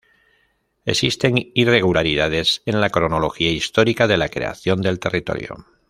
Existen irregularidades en la cronología histórica de la creación del territorio.